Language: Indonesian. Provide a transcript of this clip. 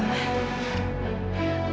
kamu akan dihukum